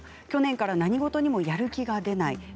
去年から何事にもやる気が出ない。